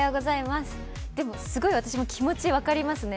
すごい私も気持ち分かりますね。